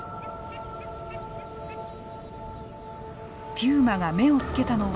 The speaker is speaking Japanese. ピューマが目をつけたのは。